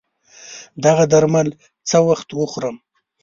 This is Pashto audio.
دغه درمل څه وخت وخورم